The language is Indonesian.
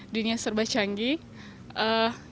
dunia serba canggih